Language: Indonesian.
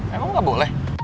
emang gak boleh